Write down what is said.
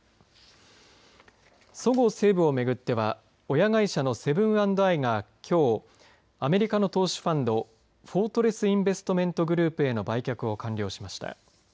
そごう・西武を巡っては親会社のセブン＆アイがきょう、アメリカの投資ファンドフォートレス・インベストメント・グループへの売却を完了しました。